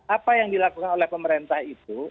apa yang dilakukan oleh pemerintah itu